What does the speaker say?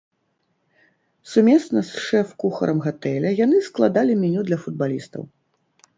Сумесна з шэф-кухарам гатэля яны складалі меню для футбалістаў.